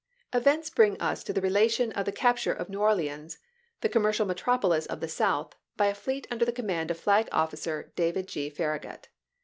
TT^ VENTS briug us to the relation of the capture JCj of New Orleans, the commercial metropolis of the South, by a fleet under command of Flag ofScer Da\dd G. Farragut.